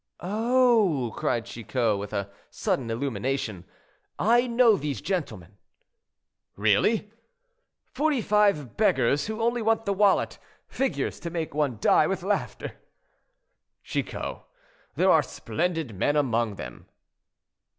"Oh!" cried Chicot, with a sudden illumination, "I know these gentlemen." "Really!" "Forty five beggars, who only want the wallet; figures to make one die with laughter." "Chicot, there are splendid men among them."